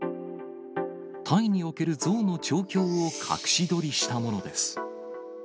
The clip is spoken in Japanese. タイにおけるゾウの調教を隠し撮りしたものです。